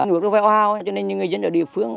nước rất o hao cho nên những người dân ở địa phương